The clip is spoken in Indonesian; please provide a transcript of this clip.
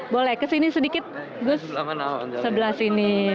boleh kesini sedikit gus sebelah sini